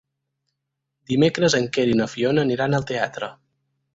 Dimecres en Quer i na Fiona aniran al teatre.